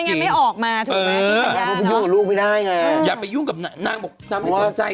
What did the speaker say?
จนไม่ยุ่งกับลูกไม่ได้